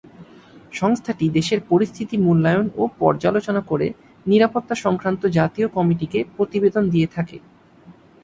সংস্থাটি দেশের পরিস্থিতি মূল্যায়ন ও পর্যালোচনা করে নিরাপত্তা সংক্রান্ত জাতীয় কমিটিকে প্রতিবেদন দিয়ে থাকে।